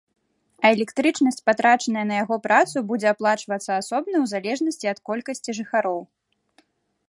А электрычнасць, патрачаная на яго працу, будзе аплачвацца асобна ў залежнасці ад колькасці жыхароў.